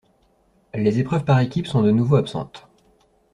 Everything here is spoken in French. Les épreuves par équipes sont de nouveau absentes.